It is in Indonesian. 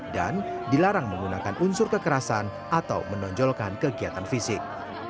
dan dilarang menggunakan unsur kekerasan atau menonjolkan kegiatan fisik